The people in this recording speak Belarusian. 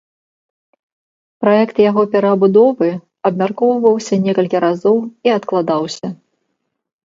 Праект яго перабудовы абмяркоўваўся некалькі разоў і адкладаўся.